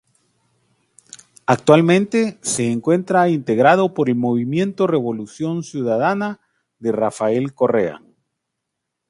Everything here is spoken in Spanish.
Actualmente se encuentra integrado por el Movimiento Revolución Ciudadana de Rafael Correa.